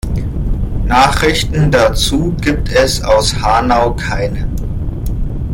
Nachrichten dazu gibt es aus Hanau keine.